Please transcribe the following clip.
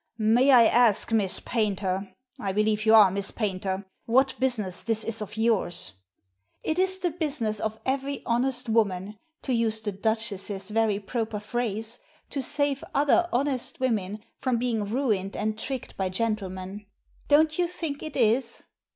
" May I ask, Miss Paynter — I believe you are Miss Paynter — what business this is of yours ?" "It is the business of every honest woman — ^to use the Duchess's very proper phrase — to save other honest women from being ruined and tricked by gentlemen; don't you think it is?"